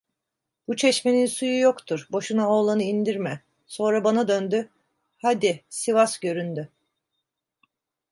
Bu çeşmenin suyu yoktur, boşuna oğlanı indirme… Sonra bana döndü: "Haydi, Sivas göründü."